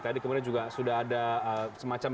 tadi kemudian juga sudah ada semacam